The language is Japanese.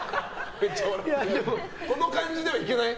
この感じではいけない？